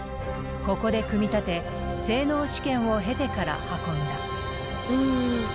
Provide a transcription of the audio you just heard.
ここで組み立て性能試験を経てから運んだ。